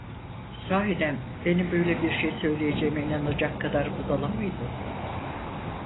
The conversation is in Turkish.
Sahiden benim böyle bir şey söyleyeceğime inanacak kadar budala mıydı?